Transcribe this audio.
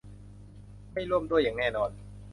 ไม่ร่วมด้วยอย่างแน่นอน